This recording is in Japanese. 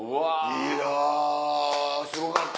いやすごかった。